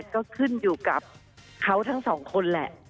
ก็ขึ้นอยู่กับเขาทั้งสองคนแหละ